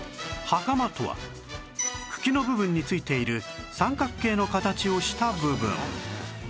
はかまとは茎の部分についている三角形の形をした部分